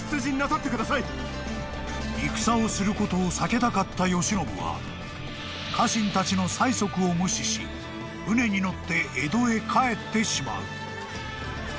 ［戦をすることを避けたかった慶喜は家臣たちの催促を無視し船に乗って江戸へ帰ってしまう］